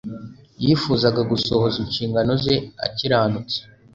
yifuzaga gusohoza inshingano ze akiranutse